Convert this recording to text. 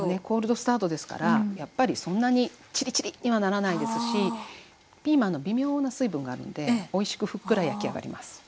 コールドスタートですからやっぱりそんなにちりちりにはならないですしピーマンの微妙な水分があるのでおいしくふっくら焼き上がります。